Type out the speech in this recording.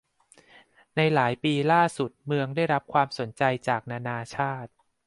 ในหลายปีล่าสุด เมืองได้รับความความสนใจจากนานาชาติ